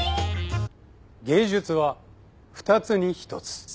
芸術は二つに一つ。